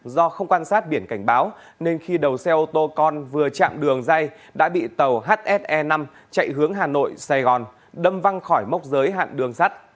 do không quan sát biển cảnh báo nên khi đầu xe ô tô con vừa chạm đường dây đã bị tàu hs năm chạy hướng hà nội sài gòn đâm văn khỏi mốc giới hạn đường sắt